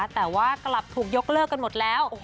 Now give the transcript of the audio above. แต่ว่ากลับถูกยกเลิกกันหมดแล้ว